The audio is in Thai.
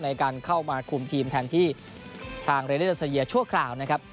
ในการเข้ามาคุมทีมแทนที่ทางเรเดอร์เซียชั่วคราวนะครับ